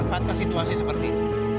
aku gak akan menyebabkan situasi seperti ini